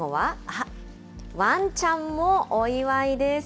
あっ、ワンちゃんもお祝いです。